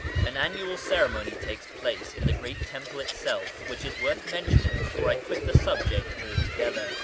An annual ceremony takes place in the great temple itself which is worth mentioning before I quit the subject altogether.